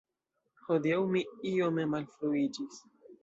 Hodiaŭ mi iome malfruiĝis.